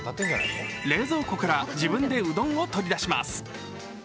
冷蔵庫から自分でうどんを取り出します。